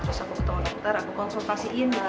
lalu aku bertemu dokter aku konsultasiin